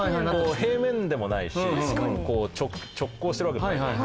平面でもないし直交してるわけでもない。